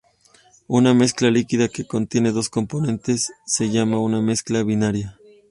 Una mezcla líquida que contiene dos componentes se llama una "mezcla binaria".